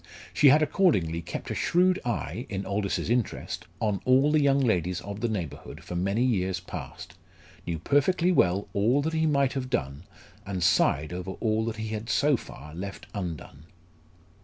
She had accordingly kept a shrewd eye in Aldous's interest on all the young ladies of the neighbourhood for many years past; knew perfectly well all that he might have done, and sighed over all that he had so far left undone.